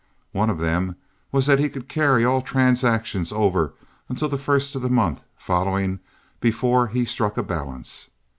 One of them was that he could carry all transactions over until the first of the month following before he struck a balance.